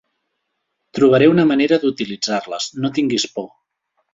Trobaré una manera d'utilitzar-les. No tinguis por!